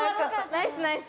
ナイスナイス。